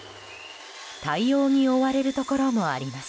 対応に追われるところもあります。